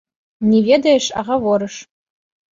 Не ведаеш, а гаворыш.